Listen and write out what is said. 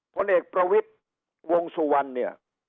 ผลเอกประวิทย์วงสุวรรณเนี่ย